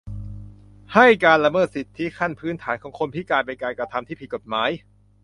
ให้ การละเมิดสิทธิขั้นพื้นฐานของคนพิการ เป็นการกระทำที่ผิดกฎหมาย